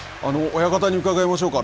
親方に伺いましょうか。